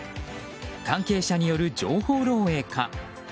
関係者による情報漏洩か。